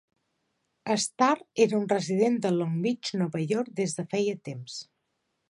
Stahr era un resident de Long Beach (Nova York) des de feia temps.